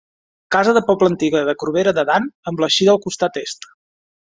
Casa de poble antiga de Corbera de Dant amb l'eixida al costat Est.